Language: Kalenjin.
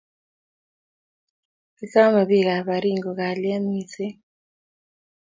Chsamei biik ab Baringo kalyet mising